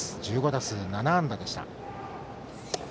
１５打数７安打でした。